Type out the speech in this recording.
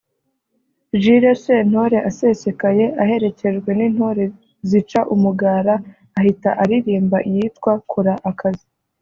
Jules Sentore asesekaye aherekejwe n’intore zica umugara ahita aririmba iyitwa ’Kora akazi’